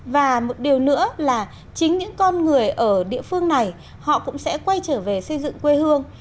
và một điều nữa là chính những con người ở địa phương này họ cũng sẽ quay trở về xây dựng quê hương